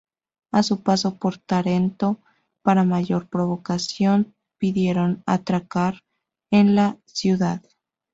A su paso por Tarento, para mayor provocación pidieron atracar en la ciudad.